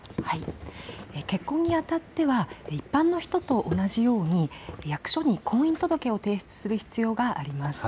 結婚にあたっては一般の人と同じように役所に婚姻届を提出する必要があります。